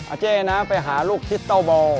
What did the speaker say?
อาเจ๊นะไปหาลูกทิศโต้บอล